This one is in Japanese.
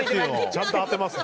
ちゃんと当てますから。